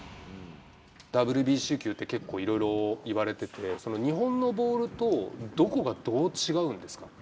ＷＢＣ球って、結構いろいろ言われてて、日本のボールとどこがどう違うんですか？